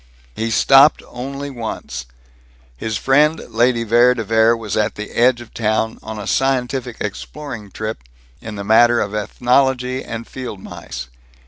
He stopped only once. His friend Lady Vere de Vere was at the edge of town, on a scientific exploring trip in the matter of ethnology and field mice.